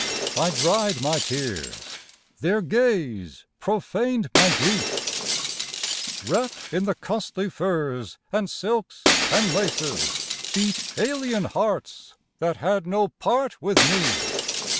I dried my tears: their gaze profaned my grief. Wrapt in the costly furs, and silks, and laces, Beat alien hearts, that had no part with me.